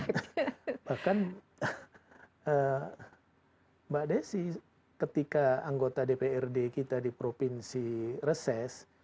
bahkan mbak desi ketika anggota dprd kita di provinsi reses